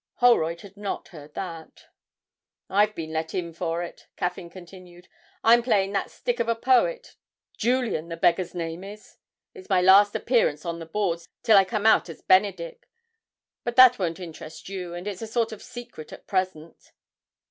Holroyd had not heard that. 'I've been let in for it,' Caffyn continued; 'I'm playing that stick of a poet, "Julian," the beggar's name is; it's my last appearance on the boards, till I come out as Benedick but that won't interest you, and it's a sort of secret at present.'